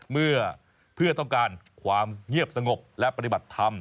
เมื่อเพื่อต้องการความเงียบสงบและปฏิบัติธรรม